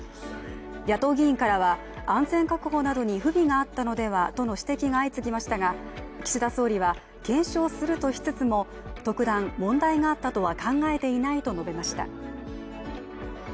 野党議員からは安全確保などに不備があったのではとの指摘が相次ぎましたが岸田総理は検証するとしつつも、特段問題があったとは考えていないと述べました。